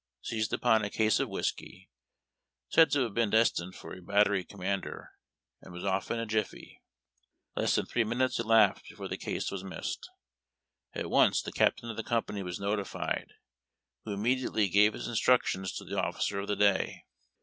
seized upon a case of whiskey, said to have been destined for a battery commander, and was off in a jiffy. Less than three minutes elapsed before the case was missed. At once the ca[itain of the company was notified, who immediately gave his instructions to the officer of the day.